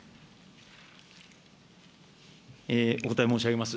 お答え申し上げます。